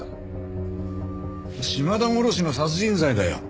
島田殺しの殺人罪だよ。